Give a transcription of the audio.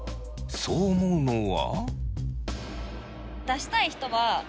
そう思うのは。